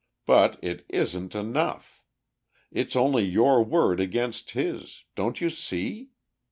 But it isn't enough. It's only your word against his; don't you see?